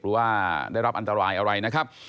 หรือว่าได้รับอันตรายอะไรนะครับ